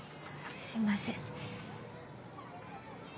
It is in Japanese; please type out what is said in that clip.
すいません。